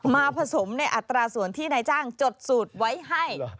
ผสมในอัตราส่วนที่นายจ้างจดสูตรไว้ให้